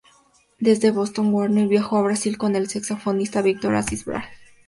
Desde Boston, Werner viajó a Brasil con el saxofonista Victor Assis Brasil.